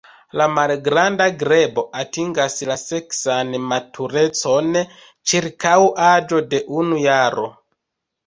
La Malgranda grebo atingas la seksan maturecon ĉirkaŭ aĝo de unu jaro.